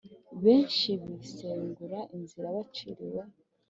Benshi bisengura inzira baciriwe